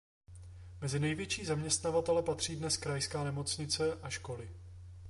Mezi největší zaměstnavatele patří dnes krajská nemocnice a školy.